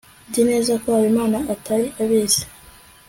nzi neza ko habimana atari abizi